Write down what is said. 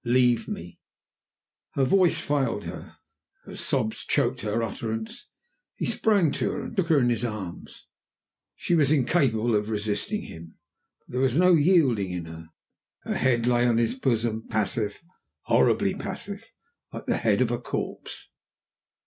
leave me!" Her voice failed her; sobs choked her utterance. He sprang to her and took her in his arms. She was incapable of resisting him; but there was no yielding in her. Her head lay on his bosom, passive horribly passive, like the head of a corpse.